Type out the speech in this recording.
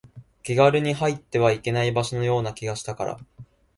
気軽に入ってはいけない場所のような気がしたから